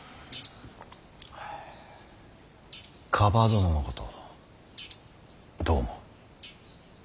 蒲殿のことどう思う。